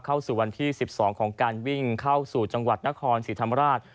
เข้าสู่วันที่๑๒ของการวิ่งเข้าสู่จังหวัดนครศรีธรรมราช